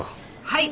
はい。